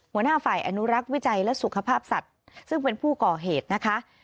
หัวหน้าฝ่ายอนุรักษ์วิจัยและสุขภาพสัตว์ซึ่งเป็นผู้ก่อเหตุนะคะ